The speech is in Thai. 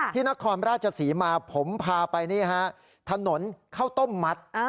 ที่นครราชสีมาผมพาไปทะหนนเข้าต้มมัด